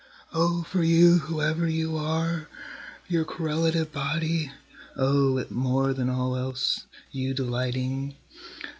O for you whoever you are your correlative body! O it, more than all else, you delighting!)